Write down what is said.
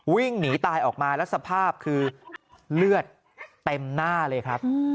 วิ่งหนีตายออกมาแล้วสภาพคือเลือดเต็มหน้าเลยครับ